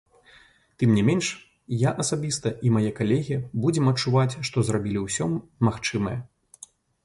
Тым не менш, я асабіста і мае калегі будзем адчуваць, што зрабілі ўсё магчымае.